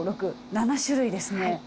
７種類ですね。